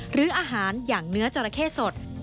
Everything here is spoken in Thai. หรืออาหารอย่างเนื้อจราเข้สด